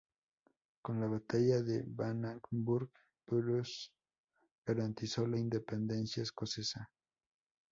Con la batalla de Bannockburn, Bruce garantizó la independencia escocesa.